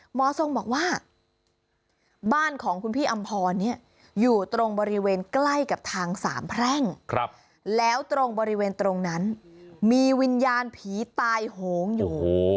หมอทรงบอกว่าบ้านของคุณพี่อำพรเนี่ยอยู่ตรงบริเวณใกล้กับทางสามแพร่งแล้วตรงบริเวณตรงนั้นมีวิญญาณผีตายโหงอยู่